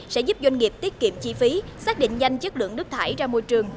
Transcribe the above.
sẽ giúp doanh nghiệp tiết kiệm chi phí xác định nhanh chất lượng nước thải ra môi trường